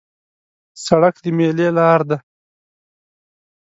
سړک د میلې لار ده.